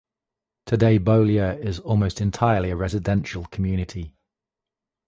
Today Beaulieu is almost entirely a residential community.